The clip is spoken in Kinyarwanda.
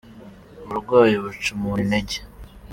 uburwayi buca umuntu intege